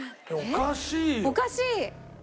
おかしいよ。